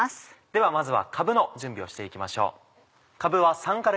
ではまずはかぶの準備をして行きましょう。